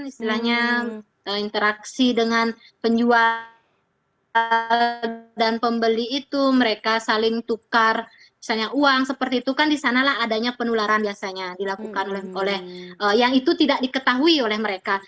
istilahnya interaksi dengan penjual dan pembeli itu mereka saling tukar misalnya uang seperti itu kan disanalah adanya penularan biasanya dilakukan oleh yang itu tidak diketahui oleh mereka